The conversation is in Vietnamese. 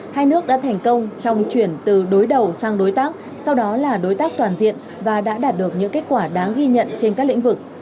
hai nước đã thành công trong chuyển từ đối đầu sang đối tác sau đó là đối tác toàn diện và đã đạt được những kết quả đáng ghi nhận trên các lĩnh vực